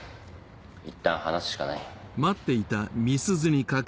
いったん放すしかない。